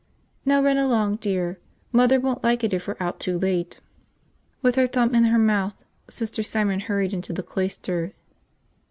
Now run along, dear. Mother won't like it if we're out too late." With her thumb in her mouth, Sister Simon hurried into the cloister.